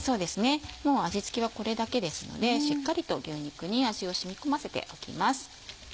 もう味付けはこれだけですのでしっかりと牛肉に味を染み込ませておきます。